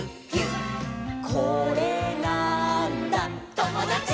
「これなーんだ『ともだち！』」